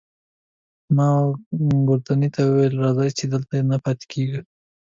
ما وه ګوردیني ته وویل: راځه، چې دلته نه پاتې کېږو.